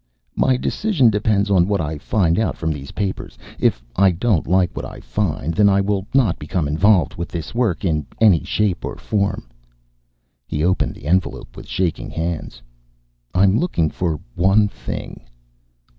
"My decision depends on what I find out from these papers. If I don't like what I find, then I will not become involved with this work in any shape or form." He opened the envelope with shaking hands. "I'm looking for one thing."